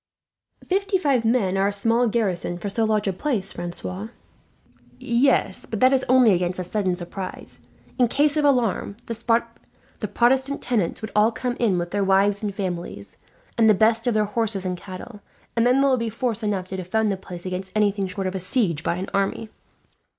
"Fifty five men are a small garrison for so large a place, Francois." "Yes, but that is only against a sudden surprise. In case of alarm, the Protestant tenants would all come in with their wives and families, and the best of their horses and cattle, and then there will be force enough to defend the place against anything short of a siege by an army.